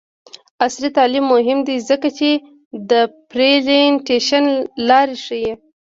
عصري تعلیم مهم دی ځکه چې د پریزنټیشن لارې ښيي.